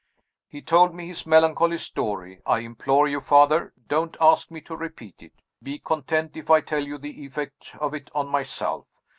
He told me his melancholy story. I implore you, Father, don't ask me to repeat it! Be content if I tell you the effect of it on myself.